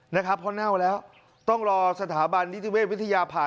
นะครับเพราะเน่าแล้วต้องรอสถาบันนิติเวชวิทยาผ่าน